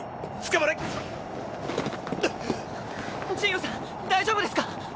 ジイロさん大丈夫ですか？